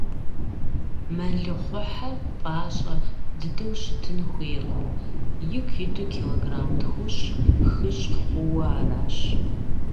Мэлыхъуэхьэр пӀащэ дыдэу щытын хуейкъым, ику иту килограмм тхущӏ-хыщӏ хъууэ аращ.